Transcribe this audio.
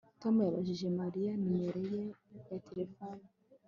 Tom yabajije Mariya nimero ye ya terefone